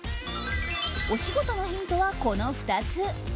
お仕事のヒントは、この２つ。